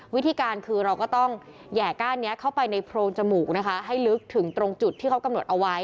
วิธีการคือเราก็ต้องแห่ก้านนี้เข้าไปในโพรงจมูกนะคะให้ลึกถึงตรงจุดที่เขากำหนดเอาไว้